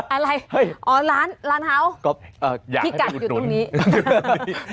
อะไรอ๋อร้านร้านเฮาส์พิกัดอยู่ตรงนี้